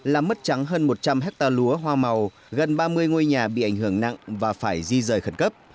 làm mất trắng hơn một trăm linh hectare lúa hoa màu gần ba mươi ngôi nhà bị ảnh hưởng nặng và phải di rời khẩn cấp